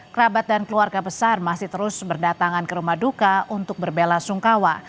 kerabat dan keluarga besar masih terus berdatangan ke rumah duka untuk berbela sungkawa